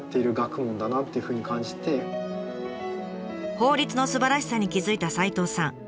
法律のすばらしさに気付いた齋藤さん。